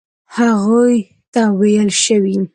هغوی ته ویل شوي.